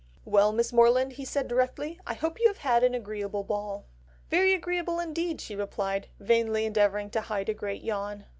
"'Well, Miss Morland,' said he directly, 'I hope you have had an agreeable ball.' "'Very agreeable indeed,' she replied, vainly endeavouring to hide a great yawn."